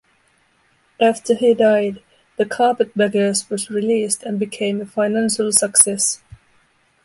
After he died, "The Carpetbaggers" was released and became a financial success.